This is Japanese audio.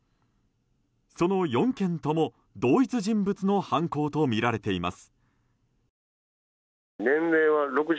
その４件とも同一人物の犯行とみられています。